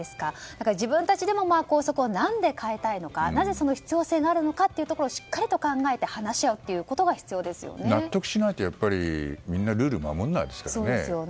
だから自分たちでも校則を何で変えたいのかなぜその必要性があるのかをしっかりと考えて話し合うことが納得しないと、みんなルールを守らないですからね。